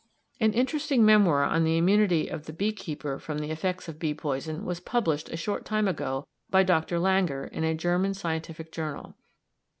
An interesting memoir on the immunity of the bee keeper from the effects of bee poison was published a short time ago by Dr. Langer in a German scientific journal.